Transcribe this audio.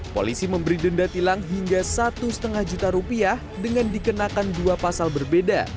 polisi memberi denda tilang hingga satu lima juta rupiah dengan dikenakan dua pasal berbeda